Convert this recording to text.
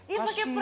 ya pakai perasaan